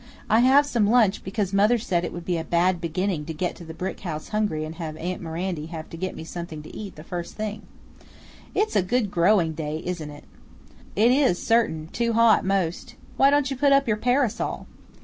I have some lunch, because mother said it would be a bad beginning to get to the brick house hungry and have aunt Mirandy have to get me something to eat the first thing. It's a good growing day, isn't it?" "It is, certain; too hot, most. Why don't you put up your parasol?"